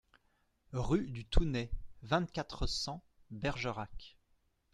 Rue du Tounet, vingt-quatre, cent Bergerac